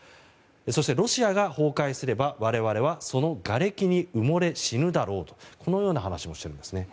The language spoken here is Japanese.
そして、ロシアが崩壊すれば我々は、そのがれきに埋もれ死ぬだろうとこのような話もしているんですね。